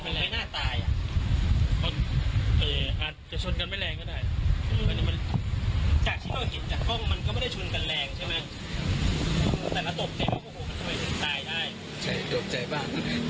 จากชิ้นที่เราเห็นจากกล้องมันก็ไม่ได้ช้นกันแรงใช่ไหม